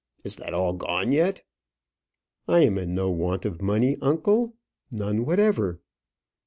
Is that all gone yet?" "I am in no want of money, uncle; none whatever."